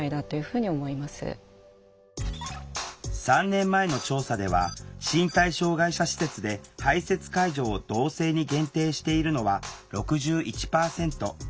３年前の調査では身体障害者施設で排せつ介助を同性に限定しているのは６１％。